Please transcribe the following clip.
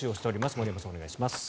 森山さん、お願いします。